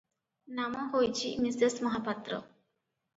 ନାମ ହୋଇଛି, ମିସେସ୍ ମହାପାତ୍ର ।